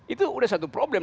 itu sudah satu problem